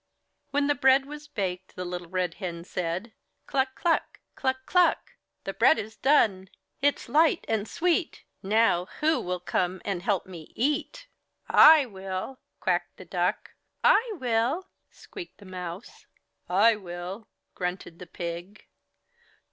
When the bread was baked, Little Red Hen said: — "Cluck, cluck! Cluck, cluck! The bread is done, It's light and sweet, Now who will come And help me EAT?" "I WILL," quacked the Duck. "I WILL," squeaked the Mouse. "I WILL," grunted the Pig.